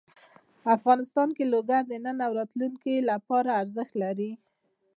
افغانستان کې لوگر د نن او راتلونکي لپاره ارزښت لري.